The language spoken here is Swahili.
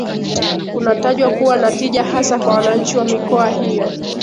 Kunatajwa kuwa na tija hasa kwa wananchi wa mikoa hiyo